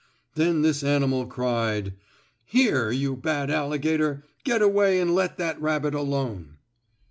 Then this animal cried: "Here, you bad alligator! Get away and let that rabbit alone!"